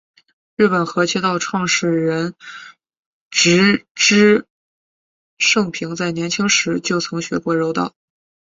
日本合气道创始人植芝盛平在年轻时就曾学过柔道。